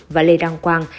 và lê đăng quang